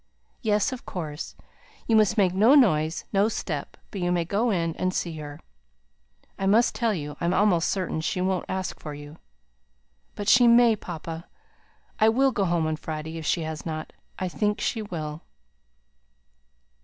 "Yes, of course. You must make no noise, no step; but you may go in and see her. I must tell you, I'm almost certain she won't ask for you." "But she may, papa. I will go home on Friday, if she does not. I think she will."